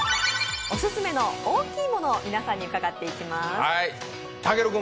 オススメの大きいものを皆さんに伺っていきます。